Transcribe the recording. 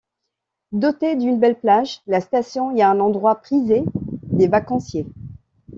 Dotée d'une belle plage, la station est un endroit prisé des vacanciers.